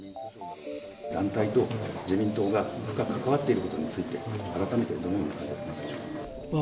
団体と自民党が深く関わっているということについて、改めてどのように感じられてますでしょうか。